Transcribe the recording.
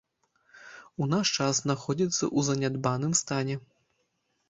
У наш час знаходзіцца ў занядбаным стане.